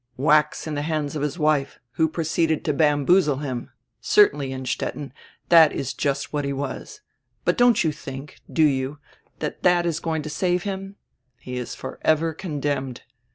"Wax in die hands of his wife, who proceeded to bam boozle him. Certainly, Innstetten, diat is just what he was. But you don't diink, do you, diat diat is going to save him? He is forever condemned.